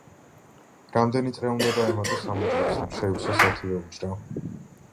რამდენი წრე უნდა დაემატოს ამ უჯრებს, რომ შეივსოს ათივე უჯრა?